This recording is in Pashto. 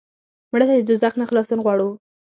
مړه ته د دوزخ نه خلاصون غواړو